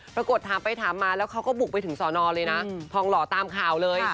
ปรากฏถามไปถามมาแล้วเขาก็บุกไปถึงสอนอเลยนะทองหล่อตามข่าวเลย